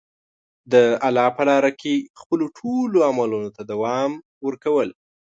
د الله په لاره کې خپلو ټولو عملونو ته دوام ورکول.